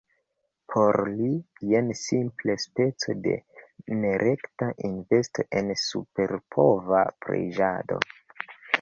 Por li, jen simple speco de nerekta investo en superpova preĝado.